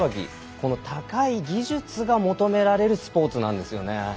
この高い技術が求められるスポーツなんですよね。